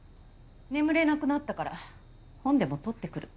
眠れなくなったから本でも取ってくる。